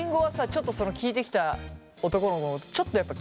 ちょっとその聞いてきた男の子のことちょっとやっぱ気になった？